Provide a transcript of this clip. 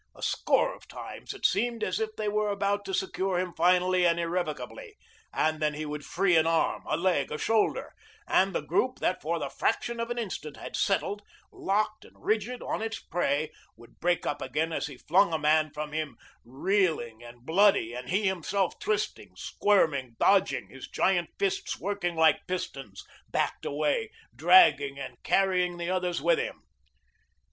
A score of times, it seemed as if they were about to secure him finally and irrevocably, and then he would free an arm, a leg, a shoulder, and the group that, for the fraction of an instant, had settled, locked and rigid, on its prey, would break up again as he flung a man from him, reeling and bloody, and he himself twisting, squirming, dodging, his great fists working like pistons, backed away, dragging and carrying the others with him.